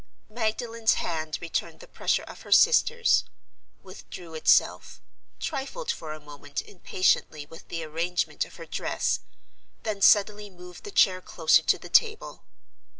Magdalen's hand returned the pressure of her sister's—withdrew itself—trifled for a moment impatiently with the arrangement of her dress—then suddenly moved the chair closer to the table.